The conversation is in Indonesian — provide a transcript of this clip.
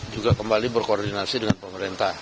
juga kembali berkoordinasi dengan pemerintah